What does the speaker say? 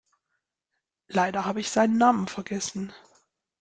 Leider habe ich seinen Namen vergessen.